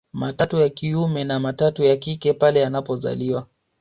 Matatu ya kiume na matatu ya kike pale unapozaliwa